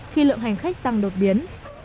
khi lượng hành khách tăng đột biến